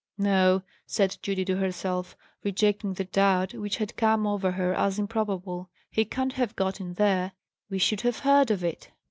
"No," said Judy to herself, rejecting the doubt, which had come over her as improbable, "he can't have got in there. We should have heard of it."